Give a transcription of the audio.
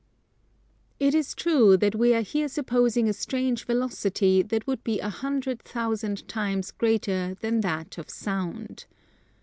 It is true that we are here supposing a strange velocity that would be a hundred thousand times greater than that of Sound.